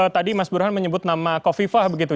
tadi mas burhan menyebut nama ko fifah begitu